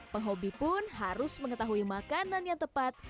penghobi pun harus mengetahui makanan yang tepat